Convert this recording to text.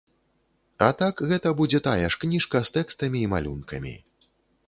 А так, гэта будзе тая ж кніжка з тэкстамі і малюнкамі.